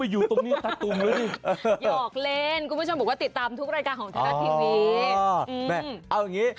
ยอกเล่นกูบอกว่าติดตามทุกกสร้างคราว